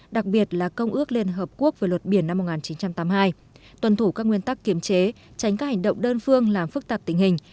đặc biệt là công ước liên hợp quốc về luật biển năm một nghìn chín trăm tám mươi hai tuần thủ các nguyên tắc kiểm chế tránh các hành động đơn phương làm phức tạp tình hình